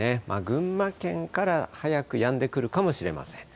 群馬県から早くやんでくるかもしれません。